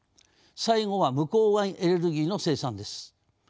最後は無公害エネルギーの生産です。